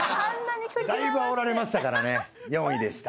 だいぶあおられましたから４位でした。